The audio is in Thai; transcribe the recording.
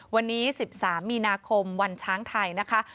วันนี้๑๓มีนาคมวันช้างไทยนะคะ